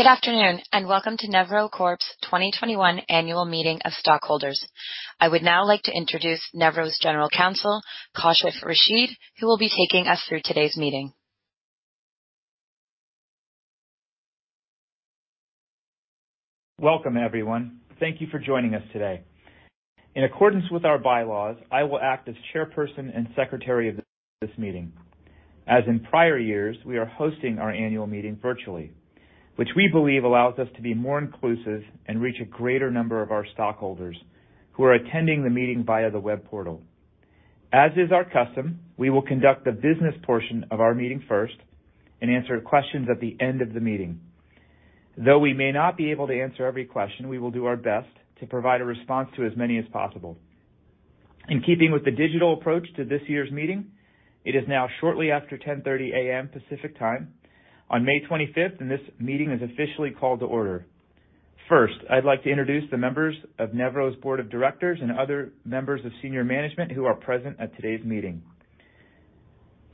Good afternoon, and welcome to Nevro Corp.'s 2021 annual meeting of stockholders. I would now like to introduce Nevro's General Counsel, Kashif Rashid, who will be taking us through today's meeting. Welcome, everyone. Thank you for joining us today. In accordance with our bylaws, I will act as chairperson and secretary of this meeting. As in prior years, we are hosting our annual meeting virtually, which we believe allows us to be more inclusive and reach a greater number of our stockholders who are attending the meeting via the web portal. As is our custom, we will conduct the business portion of our meeting first and answer questions at the end of the meeting. Though we may not be able to answer every question, we will do our best to provide a response to as many as possible. In keeping with the digital approach to this year's meeting, it is now shortly after 10:30 AM Pacific Time on May 25th, and this meeting is officially called to order. First, I'd like to introduce the members of Nevro's board of directors and other members of senior management who are present at today's meeting.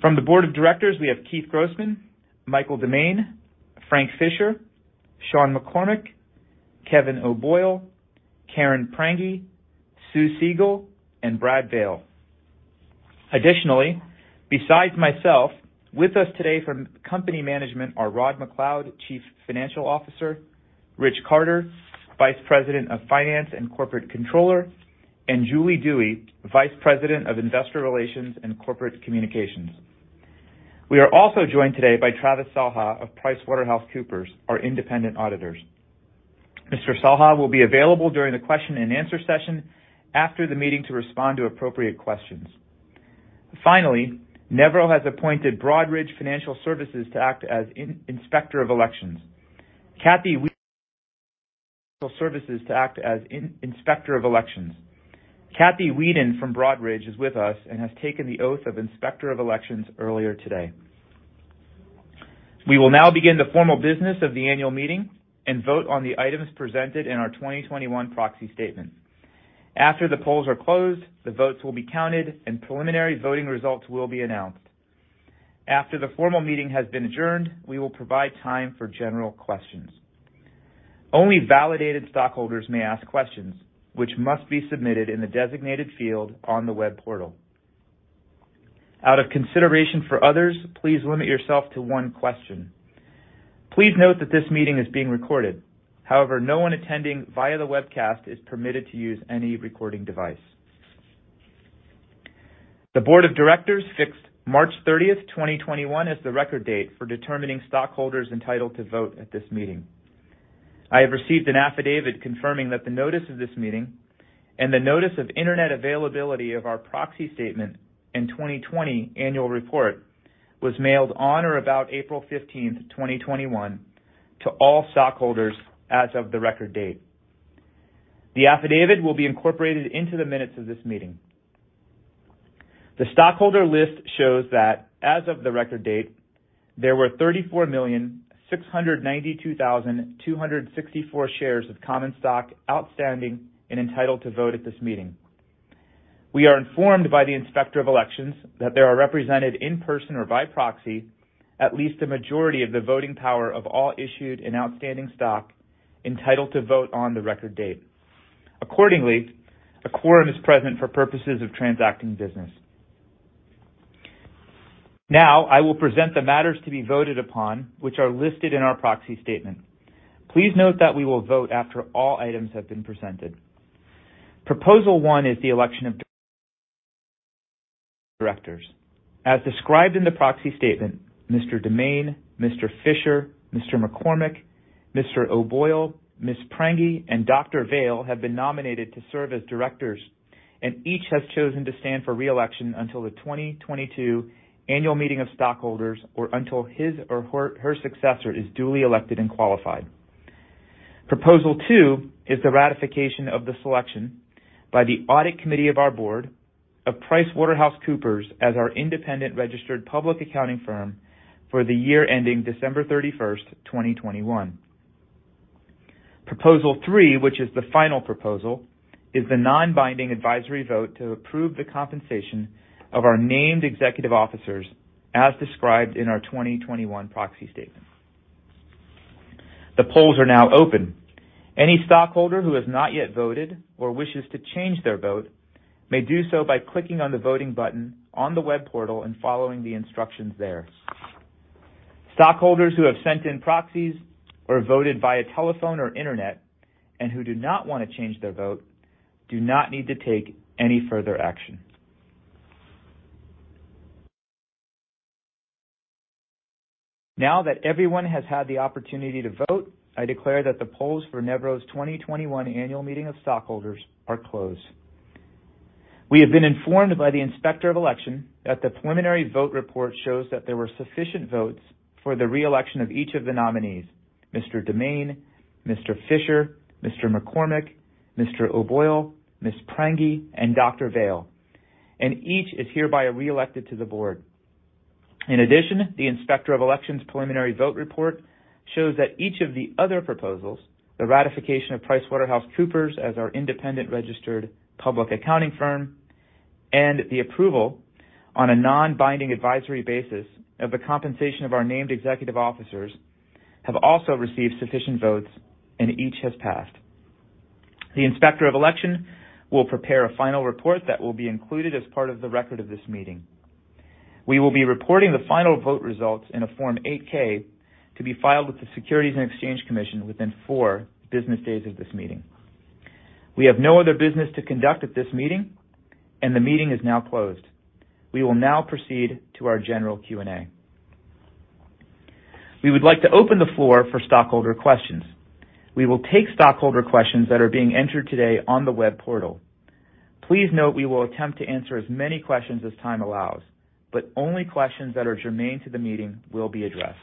From the board of directors, we have Keith Grossman, Michael DeMane, Frank Fischer, Shawn McCormick, Kevin O'Boyle, Karen Prange, Sue Siegel, and Brad Vale. Additionally, besides myself with us today from company management are Roderick MacLeod, Chief Financial Officer, Rich Carter, Vice President of Finance and Corporate Controller, and Julie Dewey, Vice President of Investor Relations and Corporate Communications. We are also joined today by Travis Salha of PricewaterhouseCoopers, our independent auditors. Mr. Salha will be available during the question and answer session after the meeting to respond to appropriate questions. Finally, Nevro has appointed Broadridge Financial Solutions to act as Inspector of Elections. Kathy Wheadon from Broadridge is with us and has taken the oath of Inspector of Elections earlier today. We will now begin the formal business of the annual meeting and vote on the items presented in our 2021 proxy statement. After the polls are closed, the votes will be counted, and preliminary voting results will be announced. After the formal meeting has been adjourned, we will provide time for general questions. Only validated stockholders may ask questions, which must be submitted in the designated field on the web portal. Out of consideration for others, please limit yourself to one question. Please note that this meeting is being recorded. However, no one attending via the webcast is permitted to use any recording device. The board of directors fixed March 30th, 2021, as the record date for determining stockholders entitled to vote at this meeting. I have received an affidavit confirming that the notice of this meeting and the notice of internet availability of our proxy statement and 2020 annual report was mailed on or about April 15th, 2021, to all stockholders as of the record date. The affidavit will be incorporated into the minutes of this meeting. The stockholder list shows that as of the record date, there were 34,692,264 shares of common stock outstanding and entitled to vote at this meeting. We are informed by the Inspector of Elections that there are represented in person or by proxy, at least a majority of the voting power of all issued and outstanding stock entitled to vote on the record date. Accordingly, a quorum is present for purposes of transacting business. Now, I will present the matters to be voted upon, which are listed in our proxy statement. Please note that we will vote after all items have been presented. Proposal one is the election of directors. As described in the proxy statement, Mr. DeMane, Mr. Fischer, Mr. McCormick, Mr. O'Boyle, Ms. Prange, and Dr. Vale have been nominated to serve as directors, and each has chosen to stand for re-election until the 2022 annual meeting of stockholders or until his or her successor is duly elected and qualified. Proposal two is the ratification of the selection by the audit committee of our board of PricewaterhouseCoopers as our independent registered public accounting firm for the year ending December 31st, 2021. Proposal three, which is the final proposal, is the non-binding advisory vote to approve the compensation of our named executive officers as described in our 2021 proxy statement. The polls are now open. Any stockholder who has not yet voted or wishes to change their vote may do so by clicking on the voting button on the web portal and following the instructions there. Stockholders who have sent in proxies or voted via telephone or internet and who do not want to change their vote do not need to take any further action. Now that everyone has had the opportunity to vote, I declare that the polls for Nevro's 2021 annual meeting of stockholders are closed. We have been informed by the Inspector of Election that the preliminary vote report shows that there were sufficient votes for the re-election of each of the nominees, Mr. DeMane, Mr. Fischer, Mr. McCormick, Mr. O'Boyle, Ms. Prange, and Dr. Vale, and each is hereby re-elected to the board. In addition, the Inspector of Election's preliminary vote report shows that each of the other proposals, the ratification of PricewaterhouseCoopers as our independent registered public accounting firm, and the approval on a non-binding advisory basis of the compensation of our named executive officers, have also received sufficient votes, and each has passed. The Inspector of Election will prepare a final report that will be included as part of the record of this meeting. We will be reporting the final vote results in a Form 8-K to be filed with the Securities and Exchange Commission within four business days of this meeting. We have no other business to conduct at this meeting, and the meeting is now closed. We will now proceed to our general Q&A. We would like to open the floor for stockholder questions. We will take stockholder questions that are being entered today on the web portal. Please note we will attempt to answer as many questions as time allows, but only questions that are germane to the meeting will be addressed.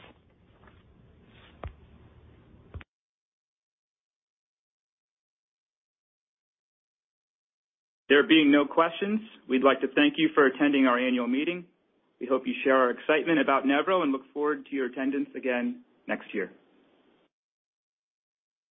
There being no questions, we'd like to thank you for attending our annual meeting. We hope you share our excitement about Nevro and look forward to your attendance again next year.